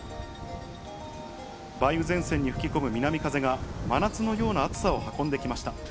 梅雨前線に吹き込む南風が、真夏のような暑さを運んできました。